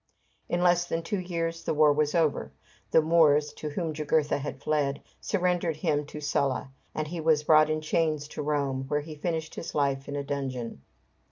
In less than two years the war was over. The Moors, to whom Jugurtha had fled, surrendered him to Sulla; and he was brought in chains to Rome, where he finished his life in a dungeon.